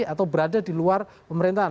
atau berada di luar pemerintahan